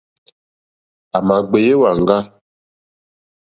À mà gbèyá èwàŋgá.